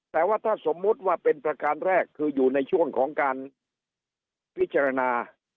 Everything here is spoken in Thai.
แต่ว่าถ้าสมมุติว่าเป็นประการแรกคืออยู่ในช่วงของการพิจารณา